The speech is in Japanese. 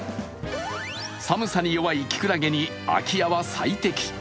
寒さに弱いきくらげに空き家は最適。